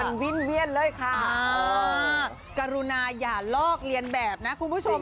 มันวิ่งเวียนเลยค่ะกรุณาอย่าลอกเรียนแบบนะคุณผู้ชม